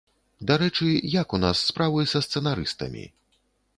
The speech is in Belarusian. Дарэчы, як у нас справы са сцэнарыстамі?